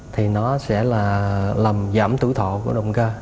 thì nó sẽ là làm giảm tử thọ của động cơ